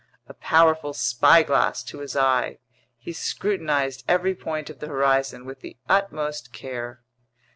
A powerful spyglass to his eye, he scrutinized every point of the horizon with the utmost care.